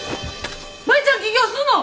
舞ちゃん起業すんの！？